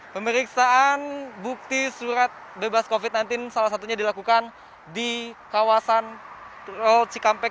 pemeriksaan bukti surat bebas covid sembilan belas salah satunya dilakukan di kawasan tol cikampek